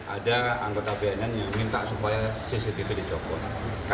ada anggota bnn yang minta supaya cctv dicopot